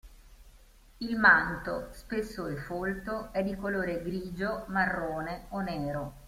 Il manto, spesso e folto, è di colore grigio, marrone o nero.